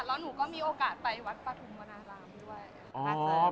แล้วหนูก็มีโอกาสไปวัดปฐุมวนารามด้วยค่ะ